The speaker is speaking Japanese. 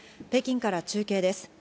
北京から中継です。